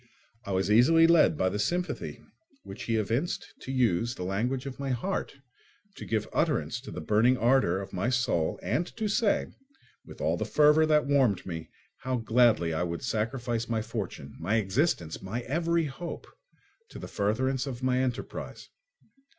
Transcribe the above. I was easily led by the sympathy which he evinced to use the language of my heart, to give utterance to the burning ardour of my soul and to say, with all the fervour that warmed me, how gladly I would sacrifice my fortune, my existence, my every hope, to the furtherance of my enterprise.